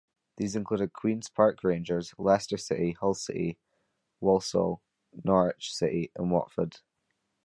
These included Queens Park Rangers, Leicester City, Hull City, Walsall, Norwich City and Watford.